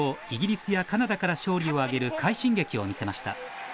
イギリスやカナダから勝利を挙げる快進撃を見せました